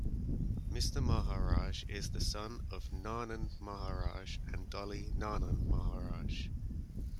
Mr. Maharaj is the son of Nanan Maharaj and Dolly Nanan Maharaj.